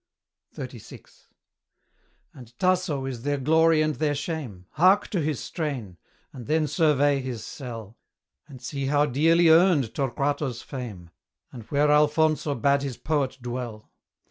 XXXVI. And Tasso is their glory and their shame. Hark to his strain! and then survey his cell! And see how dearly earned Torquato's fame, And where Alfonso bade his poet dwell.